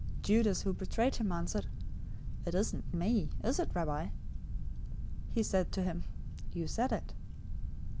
026:025 Judas, who betrayed him, answered, "It isn't me, is it, Rabbi?" He said to him, "You said it."